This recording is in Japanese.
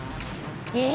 え